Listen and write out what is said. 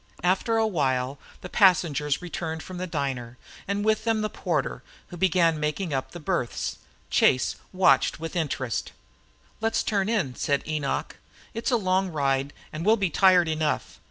After a while the passengers returned from the diner, and with them the porter, who began making up the berths. Chase watched him with interest. "Let's turn in," said Enoch. "It's a long ride and we'll be tired enough.